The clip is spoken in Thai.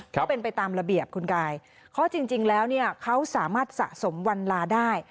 ก็เป็นไปตามระเบียบคุณกายเพราะจริงแล้วเนี่ยเขาสามารถสะสมวันลาได้